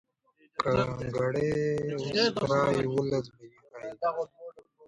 ګړۍ اوس پوره يولس بجې ښيي.